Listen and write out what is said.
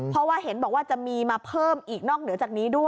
เพราะว่าเห็นบอกว่าจะมีมาเพิ่มอีกนอกเหนือจากนี้ด้วย